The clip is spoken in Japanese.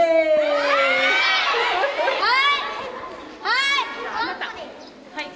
はい！